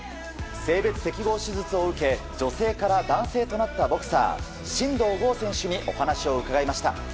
性別適合手術を受け女性から男性となったボクサー真道ゴー選手にお話を伺いました。